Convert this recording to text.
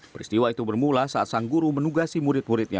peristiwa itu bermula saat sang guru menugasi murid muridnya